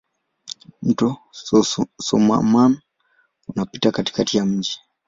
Mto Soummam unapita katikati ya mji.